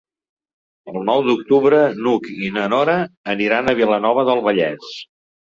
El nou d'octubre n'Hug i na Nora aniran a Vilanova del Vallès.